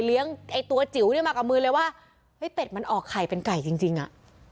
ไอ้ตัวจิ๋วเนี่ยมากับมือเลยว่าเฮ้ยเป็ดมันออกไข่เป็นไก่จริงจริงอ่ะ